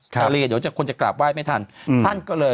ทีนี้คนจะกราบไวไว้ไม่ทัน